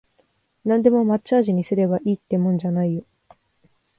なんでも抹茶味にすればいいってもんじゃないよ